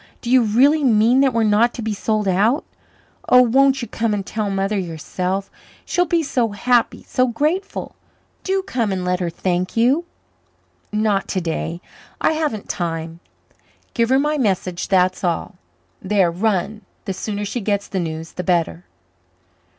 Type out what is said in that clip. Do you really mean that we're not to be sold out? Oh, won't you come and tell Mother yourself? She'll be so happy so grateful. Do come and let her thank you." "Not today. I haven't time. Give her my message, that's all. There, run; the sooner she gets the news the better."